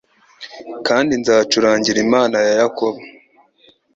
kandi nzacurangira Imana ya Yakobo